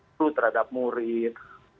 guru terhadap murid